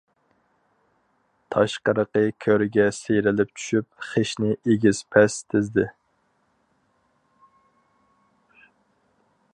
تاشقىرىقى گۆرگە سىيرىلىپ چۈشۈپ خىشنى ئېگىز- پەس تىزدى.